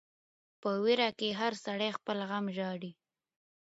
په ویر کی هر سړی خپل غم ژاړي .